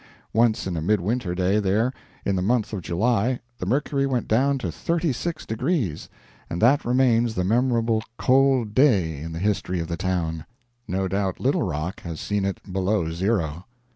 Once in a mid winter day there, in the month of July, the mercury went down to 36 deg., and that remains the memorable "cold day" in the history of the town. No doubt Little Rock has seen it below zero.